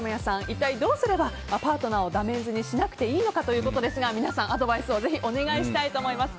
一体どうすればパートナーをダメンズにしなくていいのかということですが皆さん、アドバイスをぜひお願いしたいと思います。